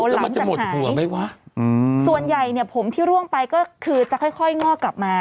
มันจะหมดหัวไหมวะส่วนใหญ่เนี่ยผมที่ร่วงไปก็คือจะค่อยค่อยงอกกลับมา